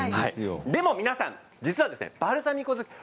でも皆さん実はバルサミコ酢づくり